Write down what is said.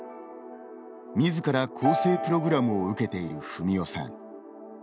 みずから更生プログラムを受けている文雄さん。